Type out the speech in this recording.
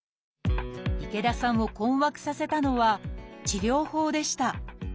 池田さんを困惑させたのは治療法でした。